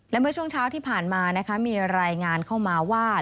และเมื่อช่วงเช้าที่ผ่านมานะคะมีรายงานเข้ามาว่า